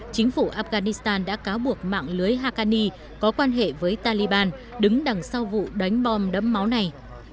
chính phủ afghanistan đã cáo buộc mạng lưới hakani có quan hệ với taliban đứng đằng sau vụ đánh bom đẫm máu này